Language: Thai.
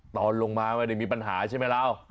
ตอนลงมาไม่ได้มีปัญหาใช่ไหมเรา